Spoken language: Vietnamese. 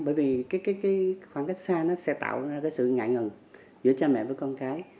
bởi vì khoảng cách xa nó sẽ tạo ra cái sự ngại ngần giữa cha mẹ với con cái